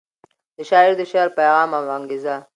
د شاعر د شعر پیغام او انګیزه